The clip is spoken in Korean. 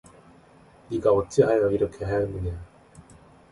네가 어찌하여 이렇게 하였느냐